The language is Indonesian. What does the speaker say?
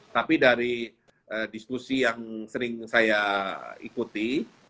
tapi dari diskusi yang sering saya ikuti